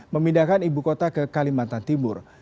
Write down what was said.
memindahkan ibu kota ke kalimantan timur